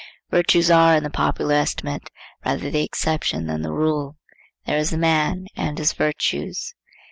Virtues are, in the popular estimate, rather the exception than the rule. There is the man and his virtues.